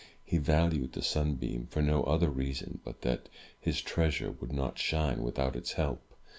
He valued the sunbeam for no other reason but that his treasure would not shine without its help.